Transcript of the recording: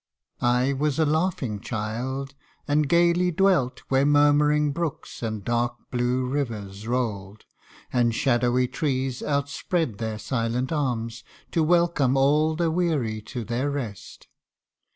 I WAS a laughing child, and gaily dwelt Where murmuring brooks, and dark blue rivers roll'd, And shadowy trees outspread their silent arms, To welcome all the weary to their rest.